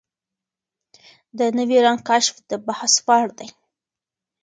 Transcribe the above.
د نوي رنګ کشف د بحث وړ دی.